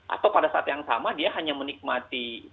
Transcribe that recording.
atau pada saat yang sama dia hanya menikmati